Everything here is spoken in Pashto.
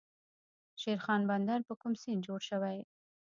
شیرخان بندر په کوم سیند جوړ شوی؟